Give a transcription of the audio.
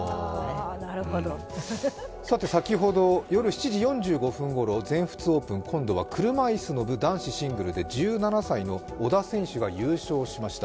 先ほど夜７時４５分ごろ、全仏オープン、今度は車いすの部男子シングルで１７歳の小田選手が優勝しました。